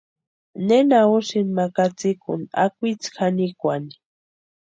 ¿Nena úsïni ma katsïkuni akwitsï janikwani?